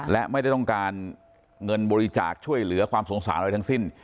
และไม่ได้ต้องการเงินบริจาคช่วยเหลือความสงสารอะไรทั้งสิ้น